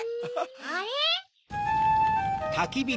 あれ？